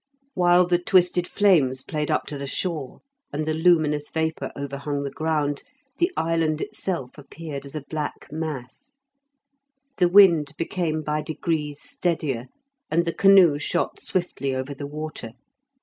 While the twisted flames played up to the shore, and the luminous vapour overhung the ground, the island itself appeared as a black mass. The wind became by degrees steadier, and the canoe shot swiftly over the water.